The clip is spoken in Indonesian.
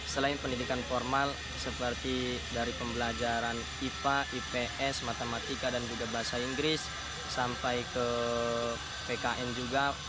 selain pendidikan formal seperti dari pembelajaran ipa ips matematika dan juga bahasa inggris sampai ke pkn juga